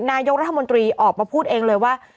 นายกรัฐมนตรีออกมาพูดเองเลยว่า